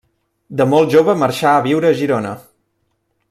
De molt jove marxà a viure a Girona.